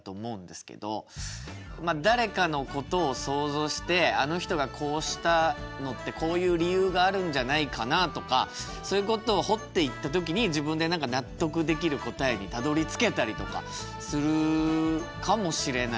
まあ誰かのことを想像してあの人がこうしたのってこういう理由があるんじゃないかなとかそういうことを掘っていった時に自分で何か納得できる答えにたどりつけたりとかするかもしれない。